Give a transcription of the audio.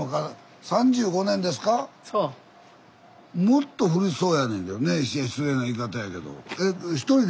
もっと古そうやねんけどね失礼な言い方やけど。